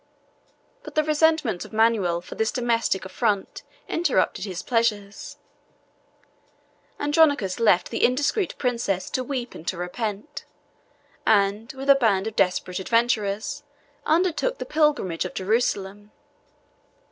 But the resentment of Manuel for this domestic affront interrupted his pleasures: Andronicus left the indiscreet princess to weep and to repent; and, with a band of desperate adventurers, undertook the pilgrimage of Jerusalem.